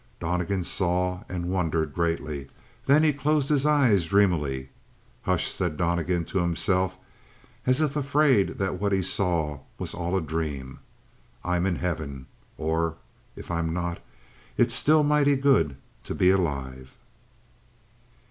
Donnegan saw and wondered greatly. Then he closed his eyes dreamily. "Hush," said Donnegan to himself, as if afraid that what he saw was all a dream. "I'm in heaven, or if I'm not, it's still mighty good to be alive."